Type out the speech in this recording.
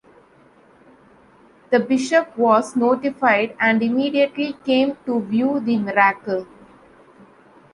The Bishop was notified and immediately came to view the miracle.